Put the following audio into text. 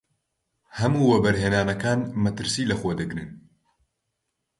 هەموو وەبەرهێنانەکان مەترسی لەخۆ دەگرن.